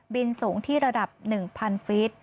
สูงที่ระดับ๑๐๐ฟิศ